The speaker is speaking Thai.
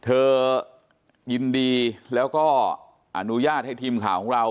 เธอยินดีแล้วก็อนุญาตให้ทีมข่าวของเรา